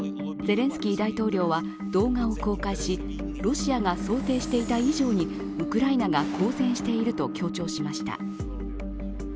ゼレンスキー大統領は動画を公開しロシアが想定していた以上にウクライナが交戦していると強調しました。